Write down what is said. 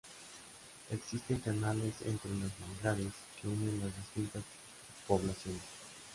Existen canales entre los manglares, que unen las distintas poblaciones.